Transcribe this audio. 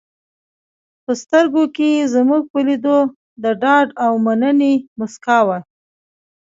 په سترګو کې یې زموږ په لیدو د ډاډ او مننې موسکا وه.